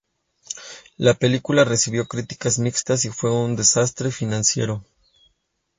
La película recibió críticas mixtas y fue un desastre financiero.